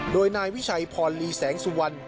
โดยนายวิชัยพรลีแสงสุวรรณ